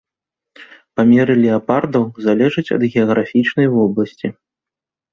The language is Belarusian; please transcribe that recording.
Памеры леапардаў залежаць ад геаграфічнай вобласці.